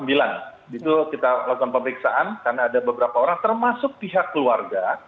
itu kita lakukan pemeriksaan karena ada beberapa orang termasuk pihak keluarga